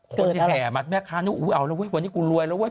โคตรแห่มัดแม่ค้านี้อุ๊ยเอาละว่าวันนี้กูรวยแล้วว่ะ